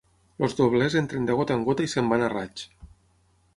Els doblers entren de gota en gota i se'n van a raig.